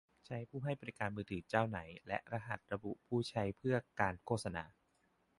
ใช้ผู้ให้บริการมือถือเจ้าไหน และรหัสระบุผู้ใช้เพื่อการโฆษณา